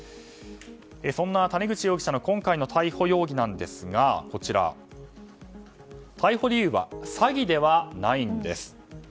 そんな谷口容疑者の今回の逮捕容疑ですが逮捕理由は詐欺ではないんです。